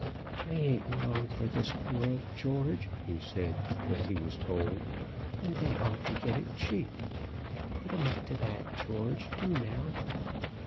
"I ain't long for this world, George," he said, when he was told; "and they ought to get it cheap. Put 'em up to that, George; do now."